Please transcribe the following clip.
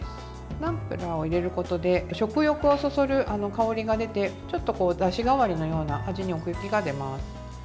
ナムプラーを入れることで食欲をそそる香りが出てちょっとだし代わりのような味に奥行きが出ます。